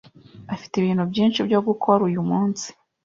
afite ibintu byinshi byo gukora uyu munsi.